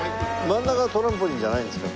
真ん中はトランポリンじゃないんですか？